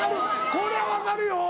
これは分かるよ。